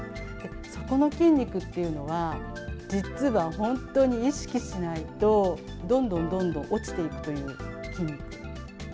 そこの筋肉っていうのは、実は本当に意識しないと、どんどんどんどん落ちていくという筋肉。